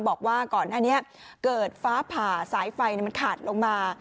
บอกว่าก่อนหน้านี้เกิดฟ้าผ่าสายไฟมันขาดลงมา